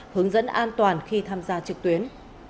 hướng dẫn an toàn khi tham gia trực tuyến